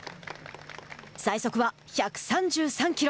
最速は１３３キロ。